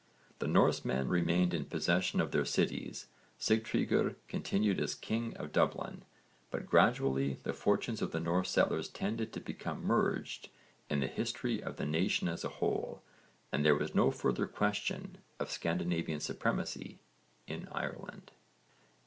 The Norsemen remained in possession of their cities, Sigtryggr continued as king of Dublin, but gradually the fortunes of the Norse settlers tended to become merged in the history of the nation as a whole and there was no further question of Scandinavian supremacy in Ireland.